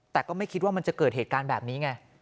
แต่ก็ไม่คิดว่ามันจะเกิดเหตุการณ์แบบนี้ไง